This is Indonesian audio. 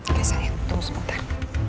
oke sayang tunggu sebentar